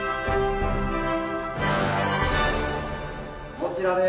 こちらです。